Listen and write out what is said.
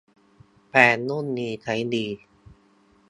แปรงรุ่นนี้ใช้ดี